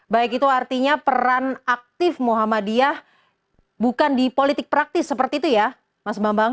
baik itu artinya peran aktif muhammadiyah bukan di politik praktis seperti itu ya mas bambang